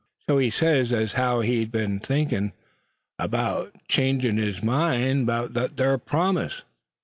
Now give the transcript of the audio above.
So he says as how he'd be'n athinkin', an' mout change his mind 'bout thet thar promise."